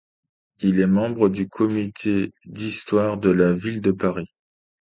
Il est membre du Comité d'histoire de la ville de Paris.